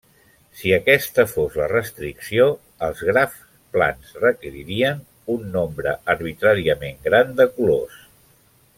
Si aquesta fos la restricció, els grafs plans requeririen un nombre arbitràriament gran de colors.